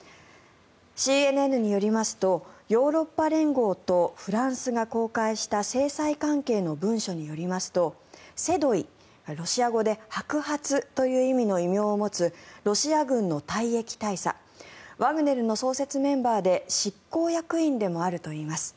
ＣＮＮによりますとヨーロッパ連合とフランスが公開した制裁関係の文書によりますとセドイ、ロシア語で白髪という意味の異名を持つロシア軍の退役大佐ワグネルの創設メンバーで執行役員でもあるといいます。